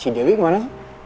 si dewi kemana